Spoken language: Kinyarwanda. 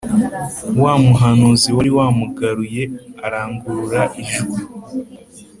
wa muhanuzi wari wamugaruye arangurura ijwi